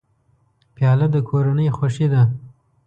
پیاله د کورنۍ خوښي ده.